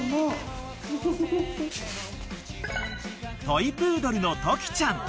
［トイプードルのトキちゃん］